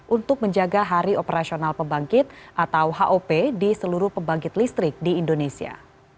untuk menjaga hari operasional pembangkit atau hop di seluruh pembangkit listrik di indonesia